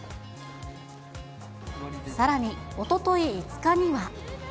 さらに、おととい５日には。